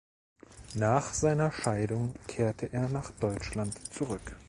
Nach seiner Scheidung kehrte er nach Deutschland zurück.